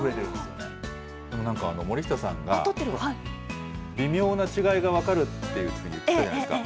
このなんか森下さんが、微妙な違いが分かるっていうふうに言ってたじゃないですか。